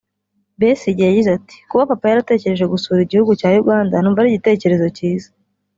Besigye yagize ati “Kuba papa yaratekereje gusura Igihugu cya Uganda numva ari igitekerezo kiza